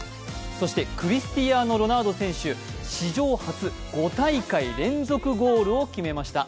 そしてクリスチアーノ・ロナウド選手、史上初、５大会連続ゴールを決めました。